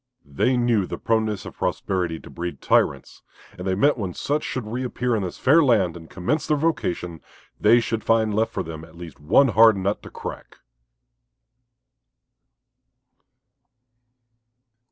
They knew the proneness of prosperity to breed tyrants, and they meant when such should reappear in this fair land and commence their vocation, they should find left for them at least one hard nut to crack.